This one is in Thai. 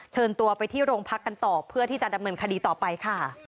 เชิญตัวไปที่โรงพักกันต่อเพื่อที่จะดำเนินคดีต่อไปค่ะ